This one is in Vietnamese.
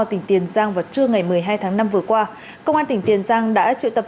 tỉnh tiền giang vào trưa ngày một mươi hai tháng năm vừa qua công an tỉnh tiền giang đã triệu tập